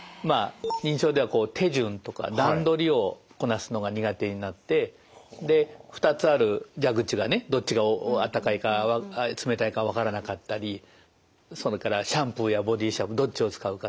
認知症では手順とか段取りをこなすのが苦手になってで２つある蛇口がねどっちがあったかいか冷たいかわからなかったりそれからシャンプーやボディーシャンプーどっちを使うかとか。